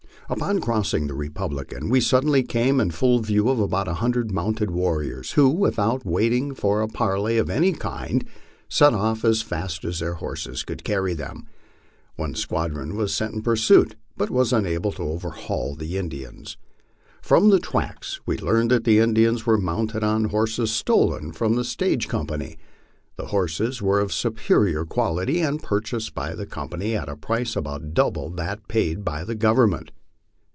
Upon crossing the Republican we suddenly came in full view of about a hundred mounted warriors, who, without waiting for a parley of any kind, set off as fast as their horses could carry them. One squadron waa sent in pursuit, but was unable to overhaul the Indians. From the tracks we learned that the Indians were mounted on horses stolen from the stage company. These horses were of a superior quality, and purchased by the com pany at a price about double that paid by the Government.